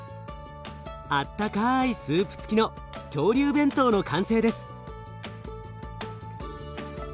あったかいスープつきの恐竜弁当の完成です！